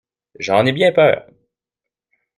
j'en ai bien peur !